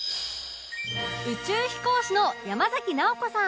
宇宙飛行士の山崎直子さん